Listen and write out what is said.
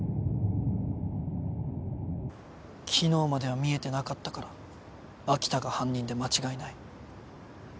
昨日までは見えてなかったから秋田が犯人で間違いない。